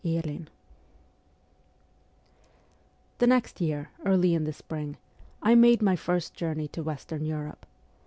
VIII THE next year, early in the spring, I made my first journey to Western Europe.